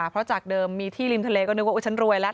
เพราะจากเดิมมีที่ริมทะเลก็นึกว่าฉันรวยแล้ว